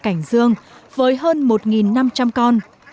cảnh dương với hơn một năm trăm linh con